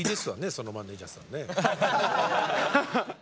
そのマネージャーさんね。